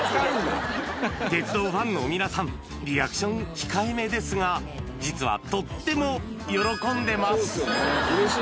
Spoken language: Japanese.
鉄道ファンの皆さん、リアクション控えめですが、実は、とっても喜んでます。